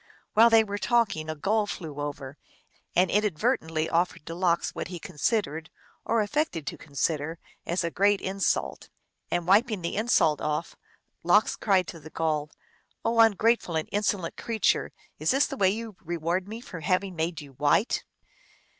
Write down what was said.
While they were talking a gull flew over, and inadvertently offered to Lox what he considered, or affected to consider, as a great insult. And wiping the insult off, Lox cried to the Gull, " Oh, ungrateful and insolent creature, is this the way you reward me for having made you white